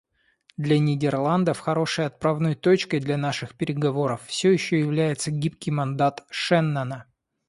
Для Нидерландов хорошей отправной точкой для наших переговоров все еще является гибкий мандат Шеннона.